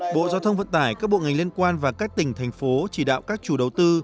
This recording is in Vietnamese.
bộ giao thông vận tải các bộ ngành liên quan và các tỉnh thành phố chỉ đạo các chủ đầu tư